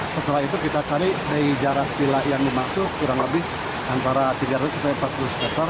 setelah itu kita cari dari jarak yang dimaksud kurang lebih antara tiga ratus sampai empat puluh meter